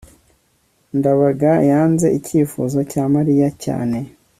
ndabaga yanze icyifuzo cya mariya cyane